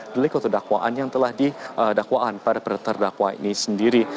delik atau dakwaan yang telah didakwaan pada para terdakwa ini sendiri